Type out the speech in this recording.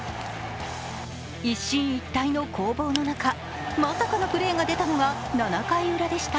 一進一退の攻防の中、まさかのプレーが出たのは７回ウラでした。